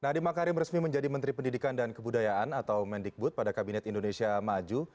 nadiem makarim resmi menjadi menteri pendidikan dan kebudayaan atau mendikbud pada kabinet indonesia maju